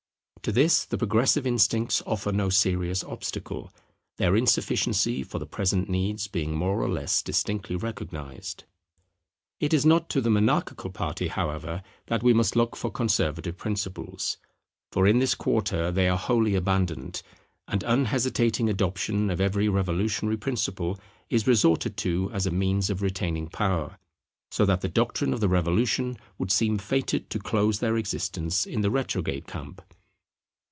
To this the progressive instincts offer no serious obstacle, their insufficiency for the present needs being more or less distinctly recognized. It is not to the monarchical party, however, that we must look for conservative principles; for in this quarter they are wholly abandoned, and unhesitating adoption of every revolutionary principle is resorted to as a means of retaining power; so that the doctrines of the Revolution would seem fated to close their existence in the retrograde camp.